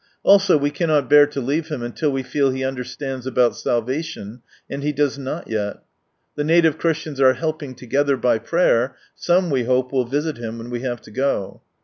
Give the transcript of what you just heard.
Also, we cannot bear to leave him until we feel he understands about salvation, and he does not yet. The native Christians are helping together by [jrayer, some we hope will visit him, when we have to go.